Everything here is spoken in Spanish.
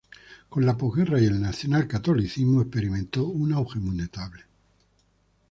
Con la posguerra y el Nacional catolicismo experimentó un auge muy notable.